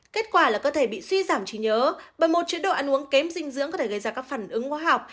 kết quả là cơ thể bị suy giảm trí nhớ bởi một chế độ ăn uống kém dinh dưỡng có thể gây ra các phản ứng hoa học